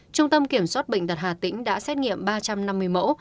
trung tâm kiểm soát bệnh tật hà tĩnh đã xét nghiệm ba trăm năm mươi mẫu